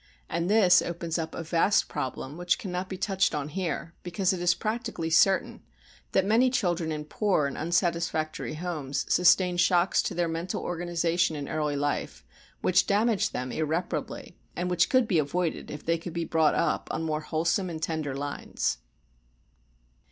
And this opens up a vast problem which cannot be touched on here, because it is practically certain that many children in poor and unsatisfactory homes sustain shocks to their mental organisation in early life which damage them irreparably, and which could be avoided if they could be brought up on more wholesome and tender lines.